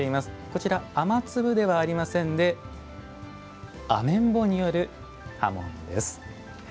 こちら雨粒ではありませんでアメンボによる波紋です。